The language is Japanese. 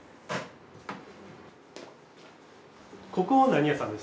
ここは何屋さんでした？